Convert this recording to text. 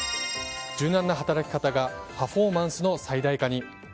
柔軟な働き方がパフォーマンスの最大化に。